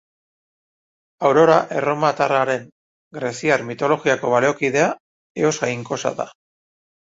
Aurora erromatarraren greziar mitologiako baliokidea, Eos jainkosa da.